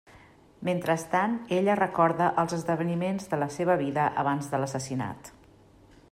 Mentrestant ella recorda els esdeveniments de la seva vida abans de l'assassinat.